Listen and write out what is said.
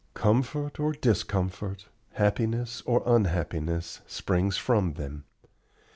Comfort or discomfort, happiness or unhappiness, springs from them.